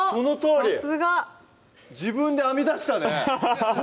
さすが自分で編み出したね